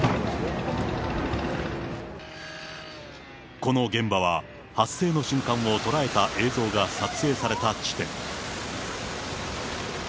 この現場は、発生の瞬間を捉えた映像が撮影された地点。